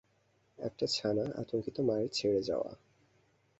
একটা ছানা, আতঙ্কিত মায়ের ছেড়ে যাওয়া।